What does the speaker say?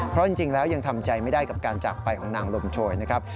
เพราะจริงแล้วยังทำใจไม่ได้กับการจากไปของนางลมโชยนะครับ